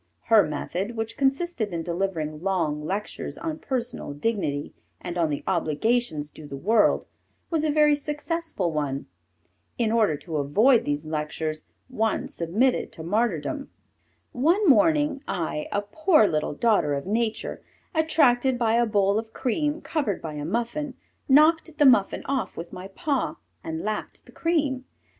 Her method, which consisted in delivering long lectures on personal dignity and on the obligations due the world, was a very successful one. In order to avoid these lectures one submitted to martyrdom. One morning I, a poor little daughter of Nature, attracted by a bowl of cream, covered by a muffin, knocked the muffin off with my paw, and lapped the cream.